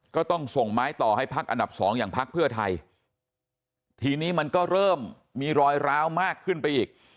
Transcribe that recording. ก็ต้องส่งไม้ต่อให้พักอันดับสองอย่างพักเพื่อไทยทีนี้มันก็เริ่มมีรอยร้าวมากขึ้นไปอีก